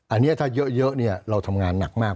อันเนี่ยถ้าเยอะเนี่ยเราทำงานหนักมาก